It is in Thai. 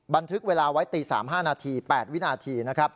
บันทึกเวลาไว้ตี๓๕น